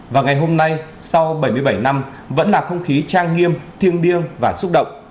và ngày hôm nay sau bảy mươi bảy năm vẫn là không khí trang nghiêm thiêng điêng và xúc động